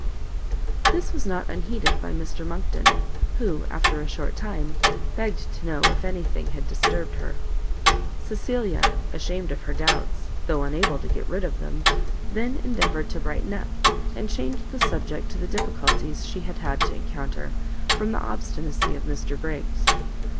This was not unheeded by Mr Monckton, who, after a short time, begged to know if any thing had disturbed her. Cecilia, ashamed of her doubts, though unable to get rid of them, then endeavoured to brighten up, and changed the subject to the difficulties she had had to encounter from the obstinacy of Mr Briggs.